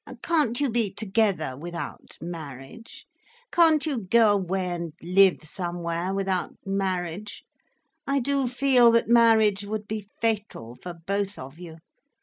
Can't you be together without marriage? Can't you go away and live somewhere without marriage? I do feel that marriage would be fatal, for both of you.